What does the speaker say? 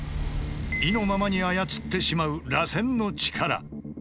意のままに操ってしまう螺旋の力。